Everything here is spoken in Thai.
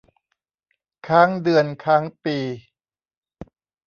ค้างเดือนค้างปี